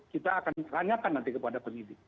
kita akan tanyakan nanti kepada penyidik